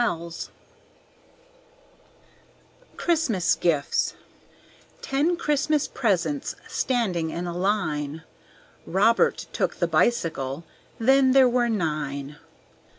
Christmas Gifts Ten Christmas presents standing in a line; Robert took the bicycle, then there were nine.